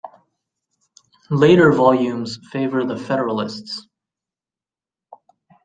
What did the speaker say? The later volumes favor the Federalists.